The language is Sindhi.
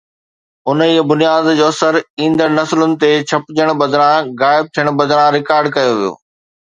انهيءَ بنياد جو اثر ايندڙ نسلن تي ڇپجڻ بدران غائب ٿيڻ بدران رڪارڊ ڪيو ويو.